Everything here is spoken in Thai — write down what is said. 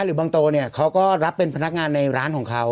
บางโตเนี่ยเขาก็รับเป็นพนักงานในร้านของเขา